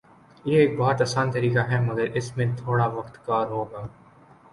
یہ ایک بہت آسان طریقہ ہے مگر اس میں تھوڑا وقت کار ہوگا